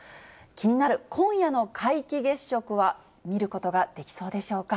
気になる今夜の皆既月食は見ることができそうでしょうか。